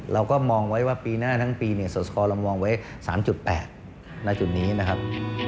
เราก็มองไว้ว่าปีหน้าทั้งปีเนี่ยสคเรามองไว้๓๘ณจุดนี้นะครับ